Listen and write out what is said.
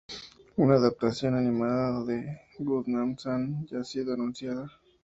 Una adaptación animada de "Gundam-san" ya ha sido anunciada.